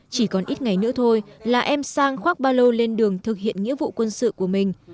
chỉ còn ít ngày nữa thôi là em sang khoác ba lô lên đường thực hiện nghĩa vụ quân sự của mình